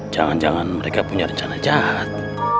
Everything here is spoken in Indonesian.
jangan jangan mereka punya rencana jahat